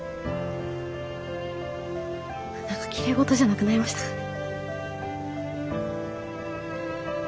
何かきれい事じゃなくなりましたかね。